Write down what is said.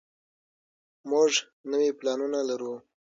موږ نوي پلانونه لرو.